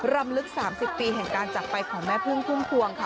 รำลึก๓๐ปีแห่งการจับไปของแม่พุ่งภวงค่ะ